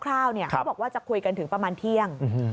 เขาบอกว่าจะคุยกันถึงประมาณเที่ยง